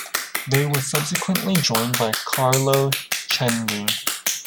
They were subsequently joined by Carlo Chendi.